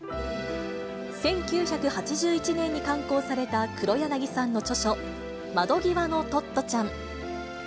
１９８１年に刊行された黒柳さんの著書、窓ぎわのトットちゃん。